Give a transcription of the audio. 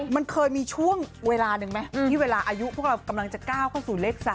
มันเคยมีช่วงเวลาหนึ่งไหมที่เวลาอายุพวกเรากำลังจะก้าวเข้าสู่เลข๓